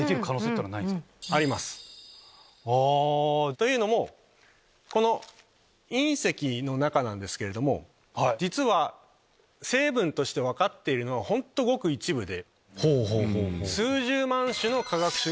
というのもこの隕石の中なんですけれども実は成分として分かっているのは本当ごく一部で。